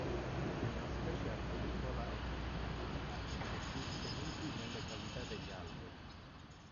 È una specie arboricola e notturna, costruisce nidi nelle cavità degli alberi.